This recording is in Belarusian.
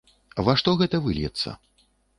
Ва што гэта выльецца?